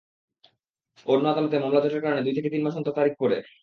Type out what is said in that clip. অন্য আদালতে মামলাজটের কারণে দুই থেকে তিন মাস অন্তর তারিখ পড়ে।